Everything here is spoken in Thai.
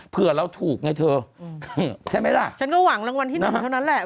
เผื่อเราถูกไงเธอใช่ไหมล่ะฉันก็หวังรางวัลที่หนึ่งเท่านั้นแหละ